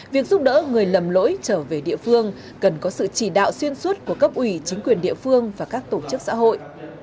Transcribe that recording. việc giúp đỡ người lầm lỗi trở về địa phương cần có sự chỉ đạo xuyên suốt của cấp ủy chính quyền địa phương và các tổ chức xã hội